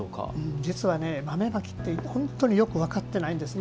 実は豆まきって本当によく分かってないんですね。